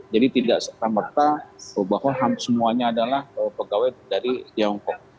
jadi tidak sempat sempat bahwa semuanya adalah pegawai dari tiongkok